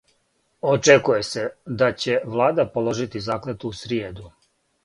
Очекује се да ће влада положити заклетву у сриједу.